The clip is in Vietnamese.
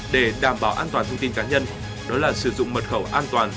để đảm bảo an toàn thông tin cá nhân đó là sử dụng mật khẩu an toàn